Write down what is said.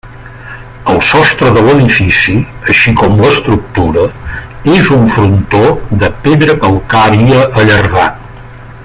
El sostre de l'edifici, així com l'estructura, és un frontó de pedra calcària allargat.